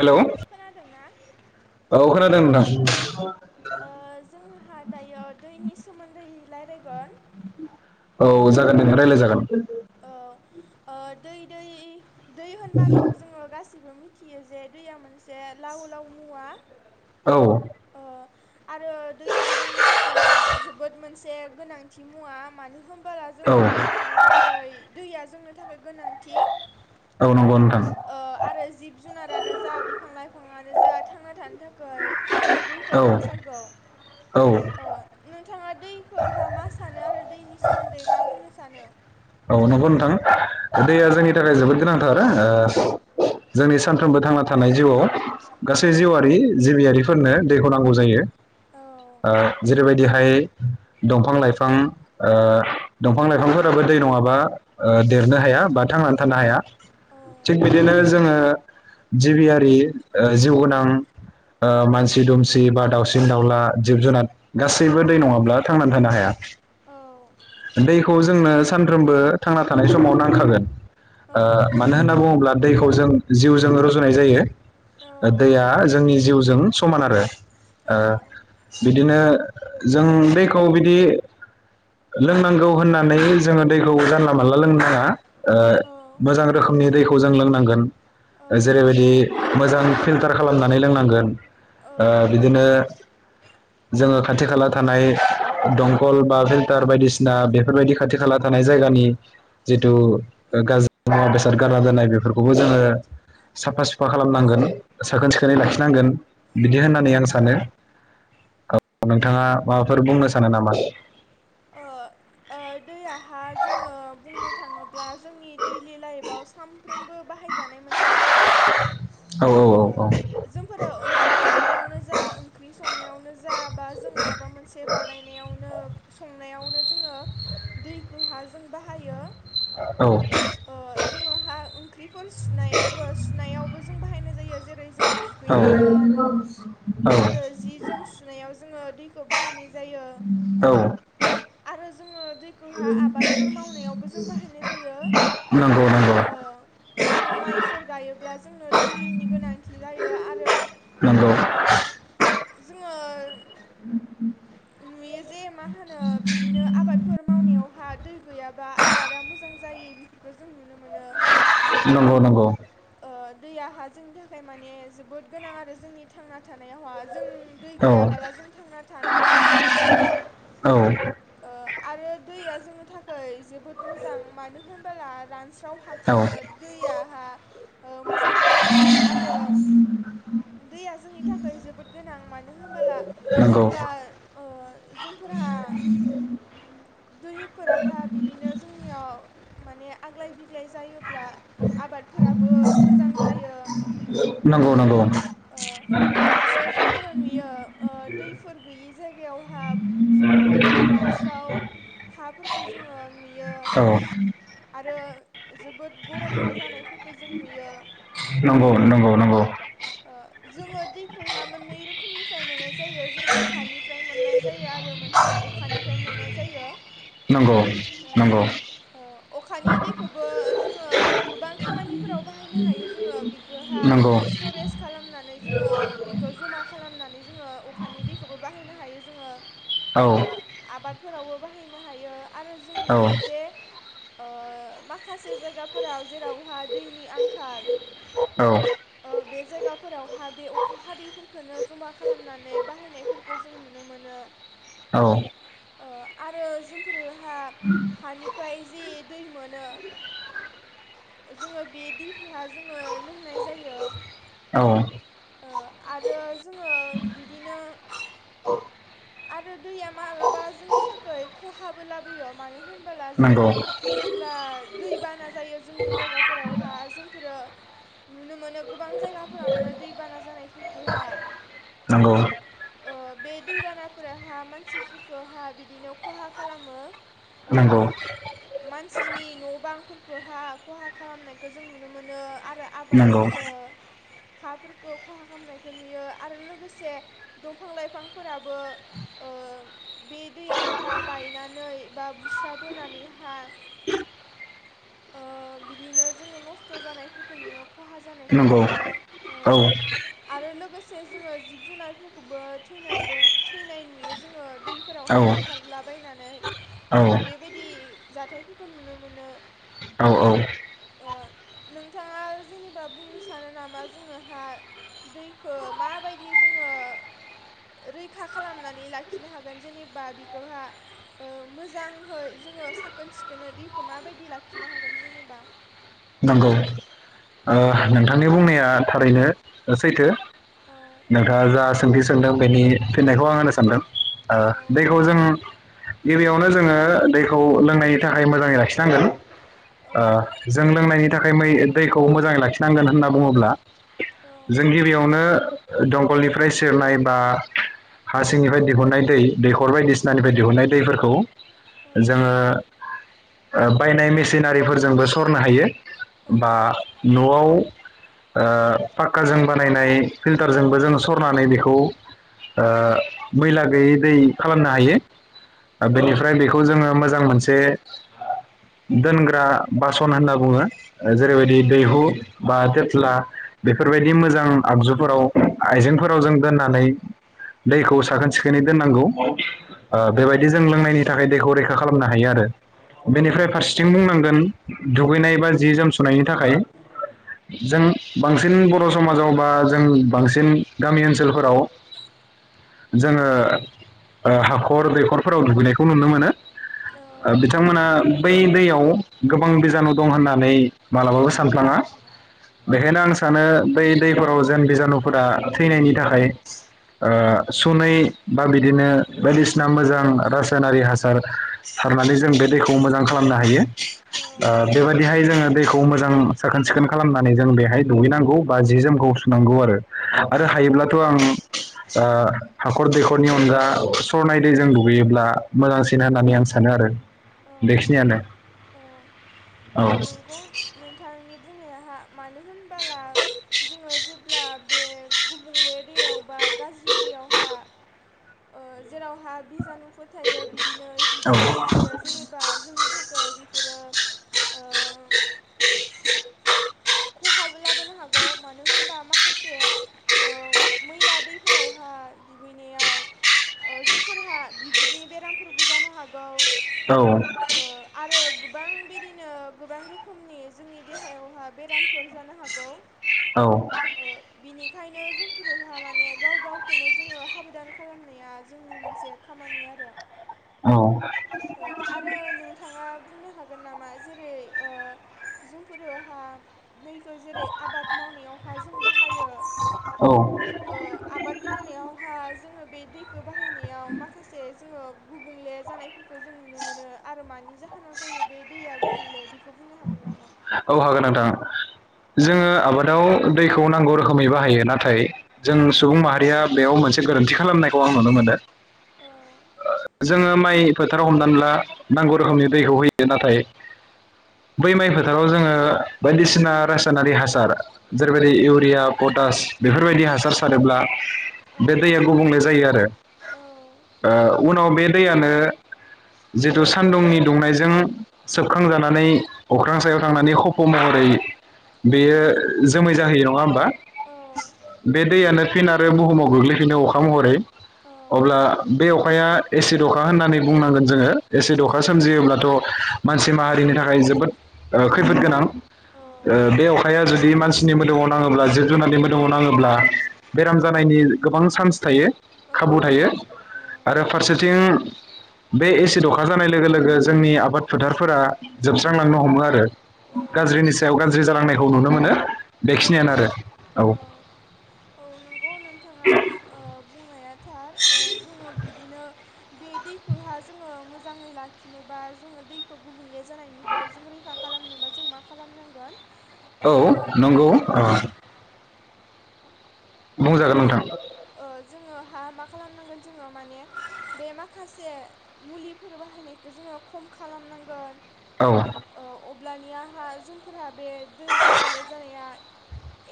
Hello औ खोनादोंना खोनादों नोंथां ओ जोंहा दायो दैनि सोमोन्दै रायलायगोन। ओ रायलाय जागोन ओ दै दै दै होनबाथ' जोङो गासैबो गासिबो मिथियो जे दैया मोनसे लाव लाव मुवा औ ओ आरो दैया जोंनि थाखाय जोबोद मोनसे गोनांथि मुवा मानो होन बोला जोंङो थांना थानो थाखाय दैया जोंनो नि थाखाय गोनांथि औ नंगौ नोंथां ओ आरो जिब जुनारानो जा बिफां लाइफांआनो जा जा थांना थानो थाखाय। जोंनो दैखौ औ नांथारगौ औ ओ नोंथाङा दैखौहा मा सानो आरो दैनि सोमोन्दै मा बुंनो सानो? औ नंगौ नोंथां दैया जोंनि थाखाय जोबोद गोनांथार ओ जोंनि सानफ्रोमबो थांना थानाय जिउआव औ गासै जिउआरि जिबियारि फोरनो दैखौ नांगौ जायो। औ ओ जेरैबायदिहाय दंफां लाइफां ओ दंफां लाइफांफोराबो दै नङाबा ओ देरनो हाया। बा थांनानै औ थानो हाया औ थिग बिदिनो जोङो। जिबियारि ओ जिउ गोनां ओ मानसि दुमसि बा दावउसिन दाउला जिब जुनार गासैबो दै नङाब्ला थांनानै थानो हाया। औ दैखौ जोंनो सानफ्रोमबो थांना थानाय समाव नांखागोन औ ओ मानो होनना बुङोब्ला दैखौ जों जिउजों रुजुनाय जायो। औ दैया जोंनि जिउजों समान आरो ओ बिदिनो जों दैखौ बिदि लोंनांगौ होननानै जोङो दैखौ जानला मानला लोंनो नाङा। ओ औ मोजां रोखोमनि दैखौ जों लोंनांगोन। औ जेरैबायदि मोजां फिल्टार खालामनानै लोंनांगोन ओ बिदिनो जोङो खाथि खाला थानाय दंखल बा फिल्टार बायदिसिना बेफोरबायदि खाथि खाला थानाय जायगानि जिथु गाज्रि मुवा बेसाद गारना दोननाय बेफोरखौबो जोङो साफा सुफा खालामनांगोन साखोन सिखोनै लाखिनांगोन बिदि होननानै आं सानो। औ नोंथाङा माबाफोर बुंनो सानो नामा? ओ ओ दैयाहा जोङो बुंनो थाङोब्ला जोंनि देइलि लाइफआव साम सानफ्रोमबो बाहायजानाय मोनसे मुवा औ ओ औ जोंफोरो ओंखाम संनायावनो जा ओंख्रि संनायावनो जा बा जों माबा मोनसे बानायनायावनो संनायावनो जोङो दैखो हा जों बाहायो औ जोङो हा ओंख्रिफोर सुनायावबो सुनायावबो जों बाहायनाय जायो जेरै जोङो औ दुगैनायाव औ आरो जि जोम सुनायाव जोङो दैखौ बाहायनाय जायो। औ आरो जोङो दैखौहा आबादफोर मावनायावबो जों बाहायनाय जायो नंगौ नंगौ ओ जोङो माइफोर गायोब्ला जोंनो दैनि गोनांथि जायो। आरो ओ नंगौ जोङो नुयो जे मा मा होनो बिदिनो आबादफोर मावनायावहा दै गैयाबा आबादा मोजां जायि बेफोरखौ जों नुनो मोनो। नंगौ नंगौ। ओ दैयाहा जोंनि थाखाय माने जोबोद गोनां आरो जोंनि थांना थानायावहा जों दै गैयाबाला औ जों थांना थानोबो हानाय नङा। औ ओ आरो दैया जोंनि थाखाय जोबोद मोजां मानो होनबोला रानस्राव हाखो औ दैयाहा मोजां खालामो आरो दैया जोंनि थाखाय जोबोद गोनां मानो होनबोला नंगौ जेब्ला ओ जोंफोर दैफोराहा बिदिनो जोंनियाव माने आग्लाय बिग्लाय जायोब्ला आबादफोराबो मोजां जायो नंगौ नंगौ ओ आरो जोंफोरो नुयो ओ दैफोर गैयि जायगायावहा जोबोद बिदि रानस्राव हाफोरखौ जोङो नुयो औ आरो जोबोद गरमबो जानायफोरखो जों नुयो नंगौ नंगौ नंगौ ओ जोङो दैखौहा मोननै रोखोमनिफ्राय मोननाय जायो जोङो हानिफ्राय मोननाय जायो आरो मोनसेया अखानिफ्राय मोननाय जायो ओ नंगौ ओ अखानि दैखौबो जोङो गोबां खामानिफोराव बाहायनो हायो जोङो बिखौहा नंगौ स्टरेज खालामनानै जोङो बिखौ जमा खालामनानै जोङो अखानि दैखौबो बाहायनो हायो जोङो औ ओ आबादफोरावबो बाहायनो हायो आरो जों नुयो जे औ ओ माखासे जायगाफोराव जेरावहा दैनि आंखाल ओ बे जायगाफोरावहा बे अखा हादैफोरखौनो जमा खालामनानै बाहायनायफोरखौ जों नुनो मोनो औ ओ आरो जोंफोरोहा हानिफ्राय जि दै मोनो जोङो बे दैखौहा जोङो लोंनाय जायो। ओ औ आरो जोङो बिदिनो आरो दैया मालाबा जोंनि थाखाय खहाबो लाबोयो मानो होन होला जोङो नंगौ ब्ला दै बाना जायो जोंनि जायगाफोरावहा जोंफोरो [unintelligible] गोबां जायगाफोरावनो दैबाना जानायफोरफोरखौहा नंगौ ओ बे दैबानाफोराहा मानसिफोरखौहा बिदिनो खहा खालामो ओ नंगौ मानसिनि न' बांफोरखौहा खहा खालामनायखौ जों नुनो मोनो आ नंगौ हाफोरखौ खहा खालामनायखौ नुयो आरो लोगोसे दंफां लाइफांफोराबो ओ बे दैयावहा बायनानै बा बुस्राबोनानैहा ओ बिदिनो जोङो नस्थ' जानायफोरखौ नुयो खहा जानायखौ नंगौ नुयो ओ औ आरो लोगोसे जोङो जिब जुनारफोरखौबो थैनाय थैनाय नुयो जोङो औ दैफोरावहा बुखारलाबायनानै जों औ बेबायदि जाथायफोरखौ नुनो मोनो औ ओ नोंथाङा जे बा बुंनो सानो नामा जोङोहा दैखौ माबायदि जोङो रैखा खालामनानै लाखिनो हागोन जेनेबा बिखौहा मोजांहै जोङो साखोन सिखोनै दैखौ माबायदि लाखिनो हागोन जेनेबा नंगौ ओ नोंथांनि बुंनाया थारैनो सैथो। औ नोंथांआ जा सों [unintelligible] सों सोंदों बेनि फिननायखौ आं होनो सानदों ओ औ दैखौ जोङो। गिबियावनो जोङो दैखौ लोंनायनि थाखाय मोजाङै लाखिनांगोन औ ओ जों जों लोंनायनि थाखाय मै दैखौ मोजाङै लाखिनांगोन होनना बुङोब्ला औ जों गिबियावनो दंखलनिफ्राय सेरनाय बा हा सिंनिफ्राय दिहुननाय दै दैखर बायदिसिनानिफ्राय दिहुननाय दैफोरखौ औ जोङोओ‌ बायनाय मेसिनारिफोरजोंबो सर सरनो हायो औ बा न'आव ओ पाक्काजों बानायनाय फिल्टारजोंबो जोङो सरनानै बेखौ ओ मैला गैयै दै खालामनो हायो बेनिफ्राय बेखौ जोङो मोजां मोनसे दोनग्रा बासन होनना बुङो। जेरै औ बायदि दैहु बा थोथ्ला बेफोरबायदि औ मोजां आगजुफोराव आइजेंफोराव जों दोननानै दैखौ साखोन सिखोनै दोननांगौ ओ‌ बेबायदि जों लोंनायनि थाखाय दैखौ रैखा खालामनो हायो आरो बेनिफ्राय फारसेथिं बुंनांगोन दुगैनाय बा जि जोम सुनायनि थाखाय जों बांसिन बर' समाजाव बा जों बांसिन गामि ओनसोलफोराव जोङो ओ हाखर दैखरफोराव दुगैनायखौ नुनो मोनो बिथांमोना बै दैयाव औ गोबां बिजानु दं होननानै मालाबाबो सानफ्लाङा बेखायनो आं सानो बै दैफोराव जेन बिजानुफोरा थैनायनि थाखाय सुनै बा बिदिनो बायदिसिना मोजां रासायनारि हासार सारनानै जों बे दैखौ मोजां खालामनो हायो। ओ बेबायदिहाय जोङो दैखौ मोजां साखोन सिखोन खालामनानै जों बेहाय दुगैनांगौ बा जि जोमखौ सुनांगौ आरो आरो हायोब्लाथ' आं हाखर दैखरनि अनगा सरनाय दै जों दुगैयोब्ला मोजांसिन होननानै आं सानो आरो औ बेखिनियानो औ औ औ नंगौ नोंथांनि बुंनाया मानो होनबाला जोङो जे अब्ला बे गुबुंले दैयाव बा गाज्रि दैयावहा ओ जेरावहा बिजानुफोर थायो बि बिदिनो औ जिबसाफोर थायो जेनेबा जोंनि थाखै बेफोरो खहाबो लाबोनो हागौ मानो होनबा माखासे ओ मैला दैफोरावहा दुगैनायाव ओ जोंफोरहा बिगुरनि बेरामफोरबो जानो हागौ औ ओ आरो गोबां बिदिनो गोबां रोखोमनि जोंनि देहायावहाय बेरामफोर जानो हागौ औ ओंखायनो जोंफोरहा माने गाव गावखौनो जोङो हाबदान खालामनाया जोंनि मोनसे खामानि आरो औ [unintelligible] ओ आरो नोंथाङा बुंनो हागोन नामा जेरै ओ जोंफोरोहा दैखौ जेरै आबाद मावनायाव हाज जों बा हायो औ ओ आबाद ल थु छमावनायावहा जोङो बे दैखो बाहायनायाव माखासे जोङो गुबुंले जानायफोरखो जों नुनो मोनो आरो मानि जाहोनाव जायो बे दैया गुबुंले बेखो बुंनो हागोन नामा औ हागोन नोंथां जोङो आबादाव दैखौ नांगौ रोखोमनि बाहायो नाथाय जों सुबुं माहारिया बेयाव मोनसे गोरोन्थि खालामनायखौ आं नुनो मोनो औ जोङो माइ फोथाराव हमनानै ला नांगौ रोखोमनि दैखौ होयो नाथाय बै माइ फोथ थाराव जोङो बायदिसिना रासायनारि हासार जेरैबायदि इउरिया पटास बेफोरबायदि हासार सारोब्ला बे दैया गुबुंले जायो आरो ओ उनाव बे दैयानो जिथु सान्दुंनि दुंनायजों सोबखांजानानै अखा ख्रां सायाव थांनानै खफ' महरै बेयो जोमै जाहैयो नङा होमबा बे दैयानो फिन आरो बुहुमाव गोग्लैफिनो अखा महरै अब्ला बे अखाया एसिड अखा होननानै बुंनांगोन जोङो एसिड अखा सोमजियोब्लाथ' मानसि माहारिनि थाखाय जोबोद ओ खैफोद गोनां ओ बे अखाया जुदि मानसिनि मोदोमाव नाङोब्ला जिब जुनारनि मोदोमाव नाङोब्ला बेराम जानायनि गोबां चान्स थायो। खाबु थायो आरो फारसेथिं बे एसिड अखा हानाय लोगो लोगो जोंनि आबाद फोथारफोरा जोबस्रां लांनो हमो आर गाज्रिनि सायाव गाज्रि जालांनायखौ नुनो मोनो बेखिनियानो आरो औ। अ नोंथाङा ओ बुंनाया थार ओ जोङो बिदिनो बे दैखौहा जोङो मोजाङै लाखिनोबा जोङो दैखौ गुबुंले जानायनिफ्राय जों रैखा खालामनोबा जों मा खालामनांगोन। ओ औ नंगौ ओ बुंजागोन नोंथां ओ जोङो हा मा खालामनांगोन जोङो माने बे माखासे मुलिफोर बाहायनायखौ जोङो खम खालामनांगोन। औ अब्लानिआहा जोंफोरहा बे दै गुबुले जानाया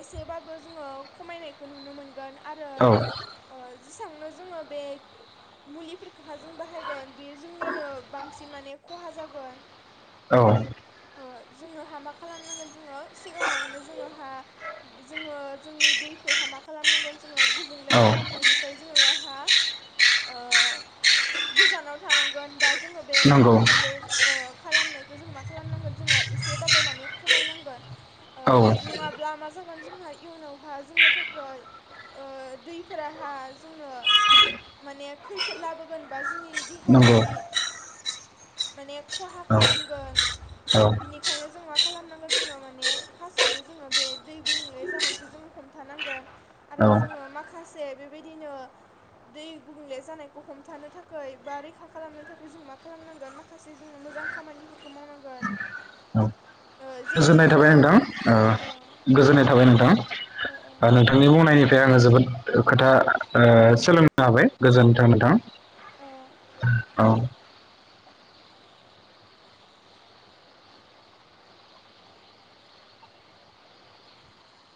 एसेबाबो जोङो खमायनायखो नुनो मोनगोन आरो। औ [unintelligible] जोङो बे मुलिफोरफोरखो हा जों बाहायगोन बे जोंनिनो बांसिन माने खहा जागोन। औ जोङो हा मा खालामनांगोन जोङो सिगाङावनो जोङो हा जोङो जोंनि दैखौ हामा खालामनांगासिनो गुबुंले औ खालामनायनिफ्राय जोङो हा ओ गोजानाव थानांगोन बा जोङो बे दै नंगौ गुबुंले ओ खालामनाय जों मा खालामनांगोन जोङो एसेबाबो माने खमायनांगोन ओ औ नङाब्ला मा जोंहा इयुनाव हा जोंनो थाखाय ओ दैफोराहा जोंनो माने खैफोद लाबो नंगौ माने खहा औ खालामगोन औ बिनिखायनो जों खालामनांगोन जोङो माने फार्स्टआवनो जोङो बे दै गुंले जानायखौ जोंङ हमथानांगोन। आरो जोङो औ माखासे बेबायदिनो दै गुबुंले जानायखौ हमथानो थाखाय बा रैखा खालामनो थाखाय जों मा खालामनांगोन माखासे जोङो मोजां खामानि औ ओ जेरै गोजोननाय थाबाय जोङो नोंथां ओ गोजोननाय ओ थाबाय नोंथां ओ ओ नोंथांनि बुंनायनि बे आङो जोबोद खोथा ओ सोलोंनो हाबाय गोजोनथों नोंथां ओ औ दे